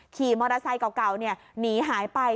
ขี่มอเตอร์ไซค์เก่าหนีหายไป